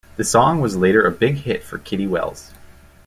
The song was later a big hit for Kitty Wells.